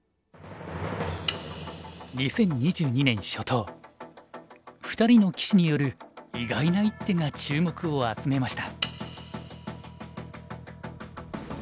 ２０２２年初頭２人の棋士による意外な一手が注目を集めました。